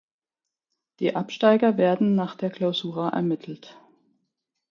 Die Absteiger werden nach der Clausura ermittelt.